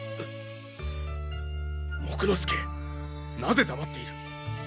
木工助なぜ黙っている？